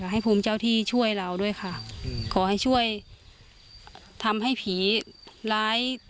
ให้ภูมิเจ้าที่ช่วยเราด้วยค่ะขอให้ช่วยทำให้ผีร้าย